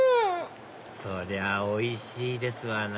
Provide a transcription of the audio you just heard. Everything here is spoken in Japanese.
そりゃおいしいですわな